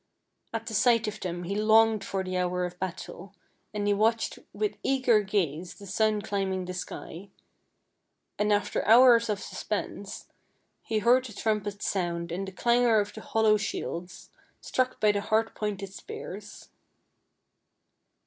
At the sight of them he longed for the hour of battle, and he watched with eager gaze the sun climb ing the sky; and, after hours of suspense, he heard the trumpet's sound and the clangor of the hollow shields, struck by the hard pointed spears.